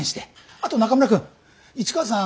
あと中村くん市川さん